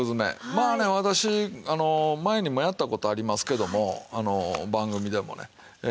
まあね私前にもやった事ありますけども番組でもね。